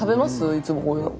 いつもこういうの。